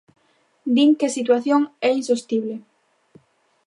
Din que situación é insostible.